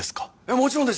もちろんですよ